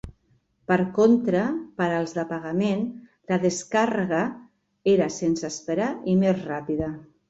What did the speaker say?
Per contra, per als de pagament, la descàrrega era sense esperar i més ràpida.